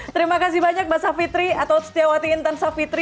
terima kasih banyak mbak savitri atau setiawati intan savitri